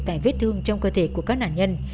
tại vết thương trong cơ thể của các nạn nhân